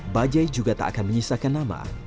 bajai juga tak akan menyisakan nama